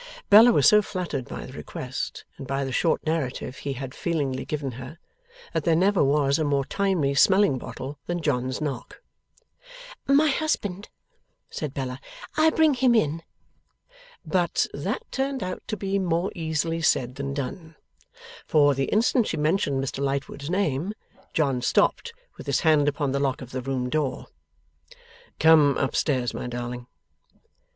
Bella was so fluttered by the request, and by the short narrative he had feelingly given her, that there never was a more timely smelling bottle than John's knock. 'My husband,' said Bella; 'I'll bring him in.' But, that turned out to be more easily said than done; for, the instant she mentioned Mr Lightwood's name, John stopped, with his hand upon the lock of the room door. 'Come up stairs, my darling.